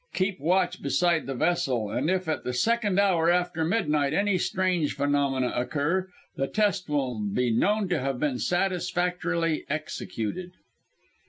Keep watch beside the vessel, and if, at the second hour after midnight, any strange phenomena occur, the test will be known to have been satisfactorily executed.